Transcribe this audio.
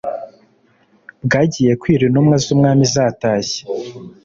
Bwagiye kwira intumwa zumwami z’atashye